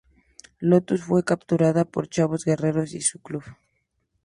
Lotus fue capturada por Chavo Guerrero y su club.